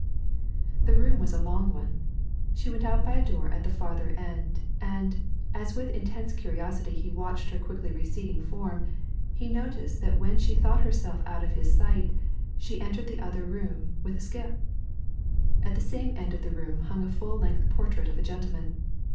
The room was a long one. She went out by a door at the farther end, and, as with intense curiosity he watched her quickly receding form, he noticed that when she thought herself out of his sight she entered the other room with a skip. At that same end of the room hung a full length portrait of a gentleman.